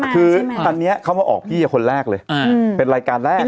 คืออันนี้เขามาออกพี่คนแรกเลยเป็นรายการแรก